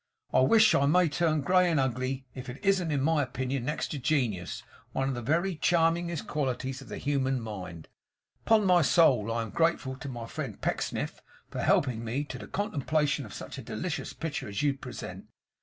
I wish I may turn grey and ugly, if it isn't in my opinion, next to genius, one of the very charmingest qualities of the human mind. Upon my soul, I am grateful to my friend Pecksniff for helping me to the contemplation of such a delicious picture as you present.